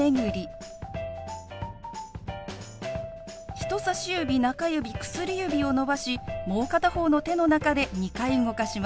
人さし指中指薬指を伸ばしもう片方の手の中で２回動かします。